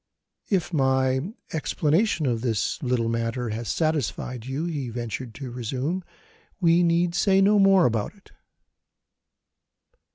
"If my explanation of this little matter has satisfied you," he ventured to resume, "we need say no more about it."